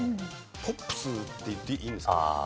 ポップスって言っていいんですか？